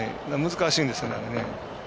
難しいんですよね。